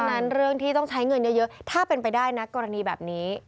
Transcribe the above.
นั้นเรื่องที่ต้องใช้เงินเยอะถ้าเป็นไปได้นะกรณีแบบนี้